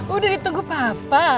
udah ditunggu papa